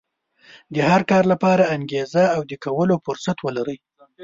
د هر کار لپاره انګېزه او د کولو فرصت ولرئ.